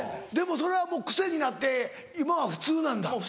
でもそれはもう癖になって今は普通なんだ？